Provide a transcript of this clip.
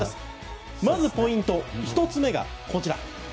まずポイント、１つ目がこちら。